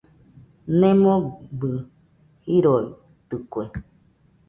Nemobɨ jiroitɨkue.